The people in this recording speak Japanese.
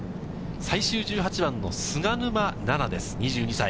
最終１８番の菅沼菜々です、２２歳。